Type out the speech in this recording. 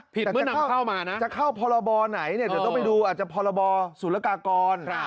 เมื่อนำเข้ามานะจะเข้าพรบไหนเนี่ยเดี๋ยวต้องไปดูอาจจะพรบศูนยากากร